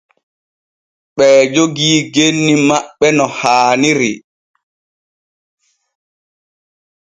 Ɓee jogii genni maɓɓe no haaniri.